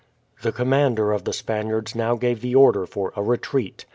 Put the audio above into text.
The commander of the Spaniards now gave the order for a retreat.